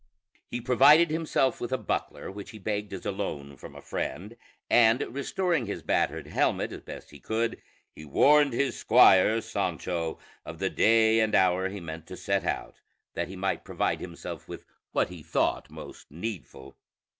He provided himself with a buckler, which he begged as a loan from a friend, and restoring his battered helmet as best he could, he warned his squire Sancho of the day and hour he meant to set out, that he might provide himself with what he thought most needful.